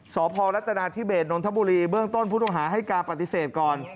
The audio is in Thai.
สพรัฐนาธิเบสนนทบุรีเบื้องต้นผู้ต้องหาให้การปฏิเสธก่อน